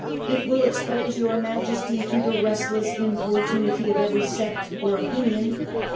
It will expose your Majesty to the rest less importunity of every sect or opinion.